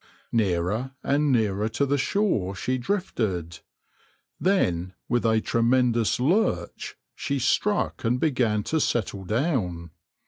Nearer and nearer to the shore she drifted. Then with a tremendous lurch she struck and began to settle down.